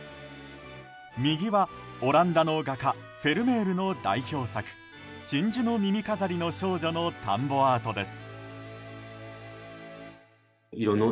右はオランダの画家フェルメールの代表作「真珠の耳飾りの少女」の田んぼアートです。